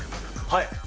はい。